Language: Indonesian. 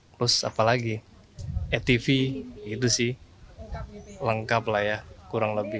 terus apalagi atv itu sih lengkap lah ya kurang lebih